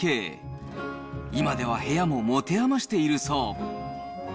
今では部屋も持て余しているそう。